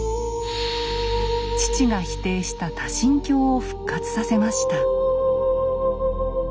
父が否定した「多神教」を復活させました。